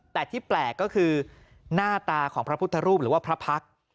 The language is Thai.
แต่ที่แปลกก็คือหน้าตาของพระพุทธรูปหรือว่าพระพักษ์